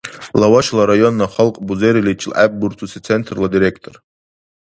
Лавашала района халкь бузериличил гӀеббурцуси Центрла директор.